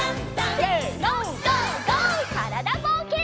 からだぼうけん。